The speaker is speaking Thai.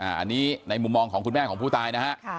อันนี้ในมุมมองของคุณแม่ของผู้ตายนะฮะ